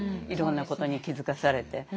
いろんなことに気付かされて。